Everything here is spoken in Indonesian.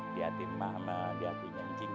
di hati emak sama di hati nyengking